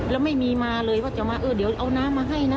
แล้วไม่มีมาเลยว่าจะมาเออเดี๋ยวเอาน้ำมาให้นะ